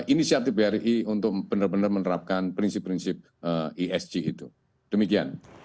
inisiatif bri untuk benar benar menerapkan prinsip prinsip esg itu demikian